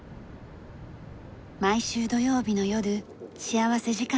毎週土曜日の夜幸福時間があります。